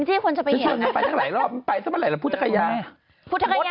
ชวนจะไปทางหลายรอบไปทางพุทธภัยา